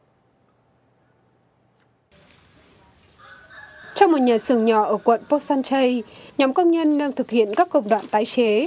trong một nhà sường nhỏ ở quận po san chay nhóm công nhân đang thực hiện các công đoạn tài chế